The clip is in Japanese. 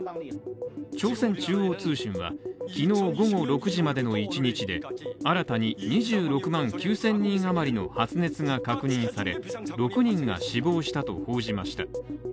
朝鮮中央通信はきのう午後６時までの１日で新たに２６万９０００人余りの発熱が確認され、６人が死亡したと報じました。